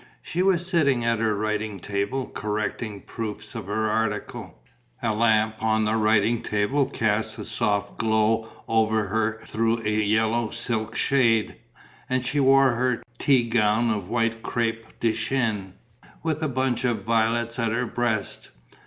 She was sitting at her writing table, correcting proofs of her article. A lamp on the writing table cast a soft glow over her through a yellow silk shade; and she wore her tea gown of white crêpe de Chine, with a bunch of violets at her breast.